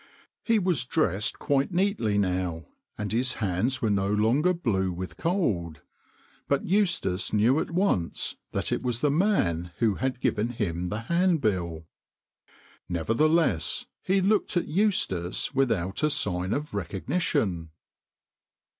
He was dressed quite neatly now, and his hands were no longer blue with cold, but Eustace knew at once that it was the man who had given him the handbill. Never theless he looked at Eustace without a sign of recognition.